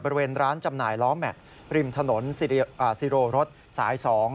บริเวณร้านจำหน่ายล้อแม็กซ์ริมถนนซิโรรถสาย๒